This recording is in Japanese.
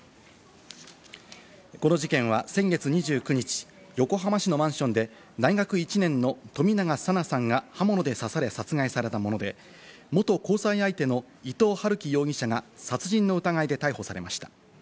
この事件は先月２９日、横浜市のマンションで、大学１年の冨永紗菜さんが刃物で刺され殺害されたもので、元交際相手の伊藤龍稀容疑者が殺人の疑いで逮捕されました。